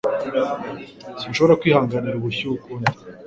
Sinshobora kwihanganira ubushyuhe ukundi.